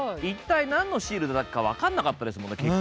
一体何のシールだか分かんなかったですもんね